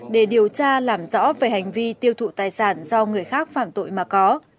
để điều tra làm rõ về hành vi tiêu thụ tài sản do người khác phạm tội mà có